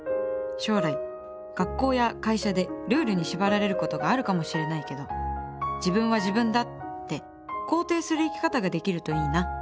将来学校や会社でルールに縛られることがあるかもしれないけど「自分は自分だ」って肯定する生き方ができるといいな